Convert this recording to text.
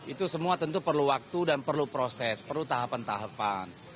itu semua tentu perlu waktu dan perlu proses perlu tahapan tahapan